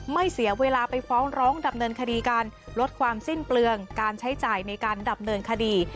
เสียเวลาไปฟ้องร้องดำเนินคดีการลดความสิ้นเปลืองการใช้จ่ายในการดับเนินคดี